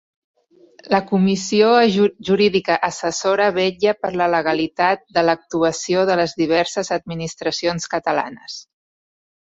La Comissió Jurídica Assessora vetlla per la legalitat de l'actuació de les diverses administracions catalanes.